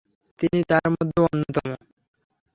তিনি তার মধ্যে অন্যতম।